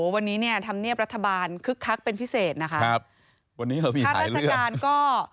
วันนี้เนี่ยทำเนียบรัฐบาลคึกคักเป็นพิเศษนะคะครับวันนี้เรามีถ่ายเรื่องค่ะราชการก็